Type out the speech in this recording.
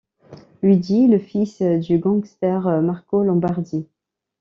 Luigi est le fils du gangster Marco Lombardi.